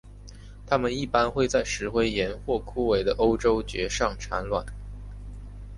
它们一般会在石灰岩或枯萎的欧洲蕨上产卵。